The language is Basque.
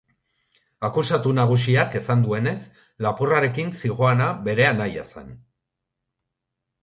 Akusatu nagusiak esan duenez, lapurrarekin zihoana bere anaia zen.